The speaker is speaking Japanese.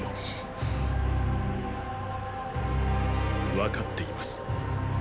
分かっています。